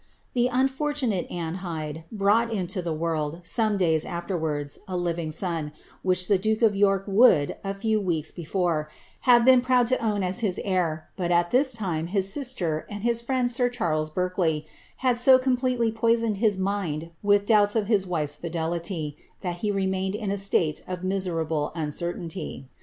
The unfortunate Anne Hyde brought into the world, some days after wards, a living son, which the duke of York would, a few weeks before, have been proud to own as his heir, but at this time his sister, and his friend sir Charles Berkeley, had so completely poisoned his mind with the doubts of his wife's fidelity, that he remained in a state of miserable uncertainty.'